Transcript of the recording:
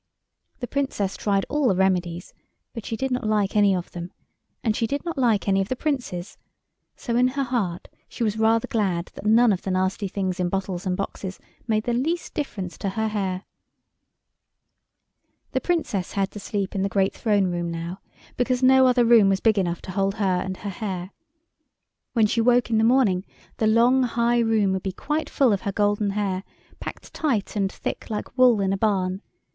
The Princess tried all the remedies, but she did not like any of them, and she did not like any of the Princes, so in her heart she was rather glad that none of the nasty things in bottles and boxes made the least difference to her hair. [Illustration: TRAINS OF PRINCES BRINGING NASTY THINGS IN BOTTLES AND ROUND WOODEN BOXES.] The Princess had to sleep in the great Throne Room now, because no other room was big enough to hold her and her hair. When she woke in the morning the long high room would be quite full of her golden hair, packed tight and thick like wool in a barn.